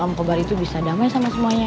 om kobar itu bisa damai sama semuanya